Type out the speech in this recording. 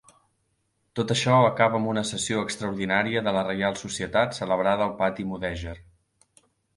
Tot això acaba amb una sessió extraordinària de la Reial Societat celebrada al pati mudèjar.